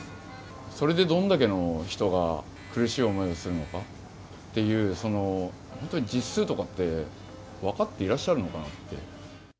それでどれだけの人が苦しい思いをするのかっていう本当に実数とかって、分かっていらっしゃるのかなって。